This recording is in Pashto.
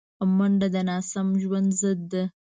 منډه د ناسم ژوند ضد ده